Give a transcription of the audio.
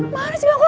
mana sih bangkuar